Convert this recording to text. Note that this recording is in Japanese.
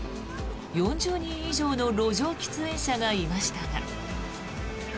４０人以上の路上喫煙者がいましたが。